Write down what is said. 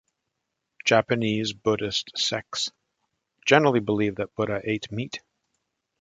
Japanese Buddhist sects generally believe that Buddha ate meat.